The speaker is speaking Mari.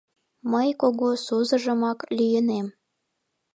Мый кугу сузыжымак лӱйынем.